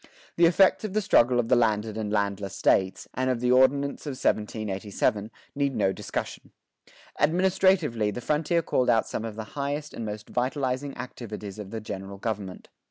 The effects of the struggle of the landed and the landless States, and of the Ordinance of 1787, need no discussion.[25:2] Administratively the frontier called out some of the highest and most vitalizing activities of the general government.